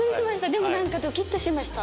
でもなんかドキッとしました。